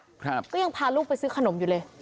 ครับก็ยังพาลูกไปซื้อขนมอยู่เลย